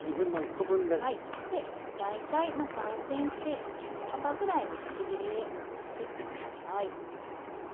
大体３ｃｍ幅ぐらいのくし切りに切って下さい。